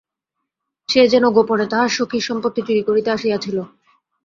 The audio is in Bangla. সে যেন গোপনে তাহার সখীর সম্পত্তি চুরি করিতে আসিয়াছিল।